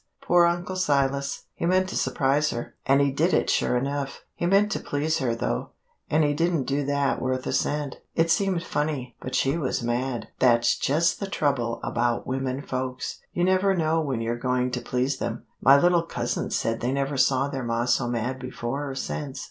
"Poor Uncle Silas! He meant to surprise her, and he did it sure enough. He meant to please her, though, and he didn't do that worth a cent. It seemed funny, but she was mad. That's just the trouble about women folks; you never know when you're going to please them. My little cousins said they never saw their ma so mad before or since.